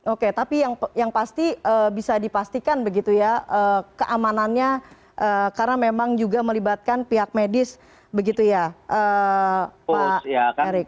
oke tapi yang pasti bisa dipastikan begitu ya keamanannya karena memang juga melibatkan pihak medis begitu ya pak erik